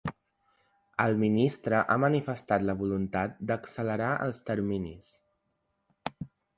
El ministre ha manifestat la voluntat d’accelerar els terminis.